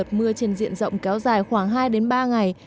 mưa trên diện rộng kéo dài khoảng hai ba ngày